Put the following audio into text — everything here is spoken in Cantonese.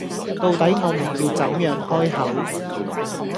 到底我們要怎樣開口？